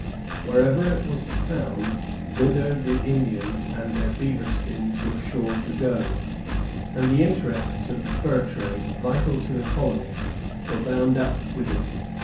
Wherever it was found, thither the Indians and their beaver skins were sure to go, and the interests of the fur trade, vital to the colony, were bound up with it.